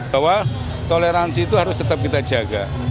bahwa toleransi itu harus tetap kita jaga